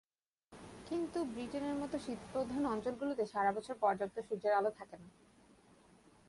কিন্তু ব্রিটেনের মতো শীতপ্রধান অঞ্চলগুলোতে সারা বছর পর্যাপ্ত সূর্যের আলো থাকে না।